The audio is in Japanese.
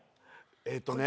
えっとね